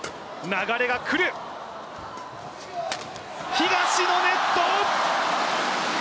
東野ネット！